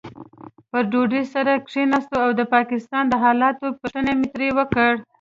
پر ډوډۍ سره کښېناستو او د پاکستان د حالاتو پوښتنې مې ترې وکړې.